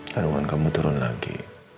kandungan kamu turun lagi